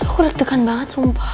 aku deg degan banget sumpah